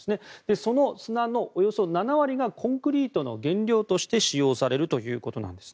その砂のおよそ７割がコンクリートの原料として使用されるということです。